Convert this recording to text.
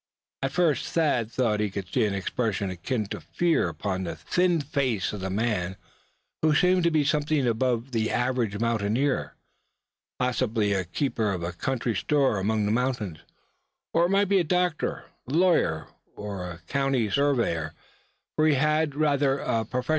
At first Thad thought he could see an expression akin to fear upon the thin face of the man, who seemed to be something above the average mountaineer; possibly the keeper of a country store among the mountains; or it might be a doctor; a lawyer, or a county surveyor, for he had rather a professional air about him.